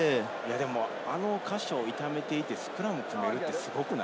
あの箇所を痛めていてスクラムを組めるってすごくない？